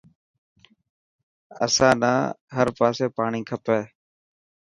اسان نا هر پاسي پاڻي کپي.